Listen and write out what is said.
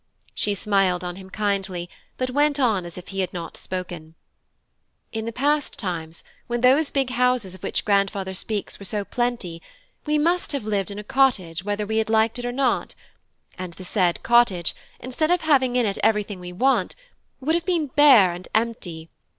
She smiled on him kindly, but went on as if he had not spoken. "In the past times, when those big houses of which grandfather speaks were so plenty, we must have lived in a cottage whether we had liked it or not; and the said cottage, instead of having in it everything we want, would have been bare and empty.